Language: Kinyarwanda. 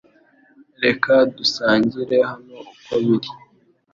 Reka dusangire hano uko biri